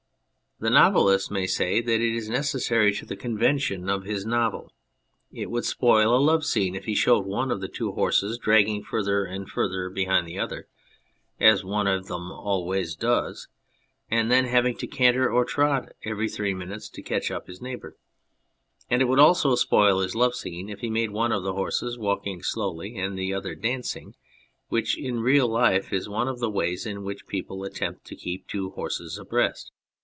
The novelist may say that it is necessary to the convention of his novel. It would spoil a love scene if he showed one of the two horses dragging further and further behind the other (as one of them always does), and then having to canter or trot every three minutes to catch up his neighbour, and it would also spoil his love scene if he made one of the horses walking slowly and the other dancing, which in real life is one of the ways in which people attempt to keep two horses abreast.